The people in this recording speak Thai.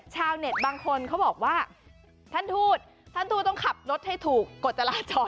ชาวเน็ตบางคนเขาบอกว่าท่านทูตท่านทูตต้องขับรถให้ถูกกฎจราจร